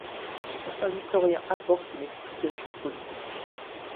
Certains historiens apportent une explication politique.